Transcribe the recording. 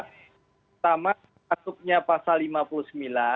pertama masuknya pasal lima puluh sembilan